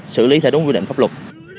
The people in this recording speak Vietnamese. xử lý theo đúng quy định pháp luật